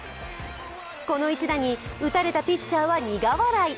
この一打に打たれたピッチャーは苦笑い。